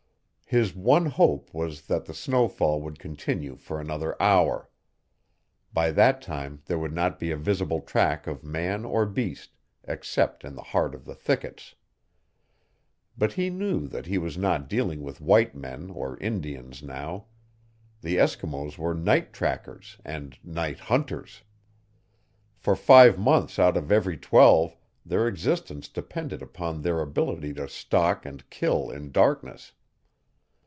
His one hope was that the snowfall would continue for another hour. By that time there would not be a visible track of man or beast, except in the heart of the thickets. But he knew that he was not dealing with white men or Indians now. The Eskimos were night trackers and night hunters. For five months out of every twelve their existence depended upon their ability to stalk and kill in darkness.